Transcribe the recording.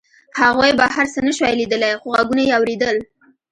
هغوی بهر څه نشوای لیدلی خو غږونه یې اورېدل